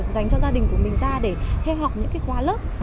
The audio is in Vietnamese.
dành cho gia đình của mình ra để theo học